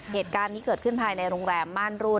เหตุการณ์นี้เกิดขึ้นภายในโรงแรมม่านรูด